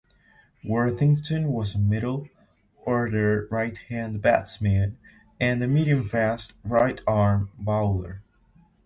Worthington was a middle order right-hand batsman and a medium-fast right-arm bowler.